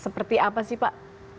seperti apa sih pak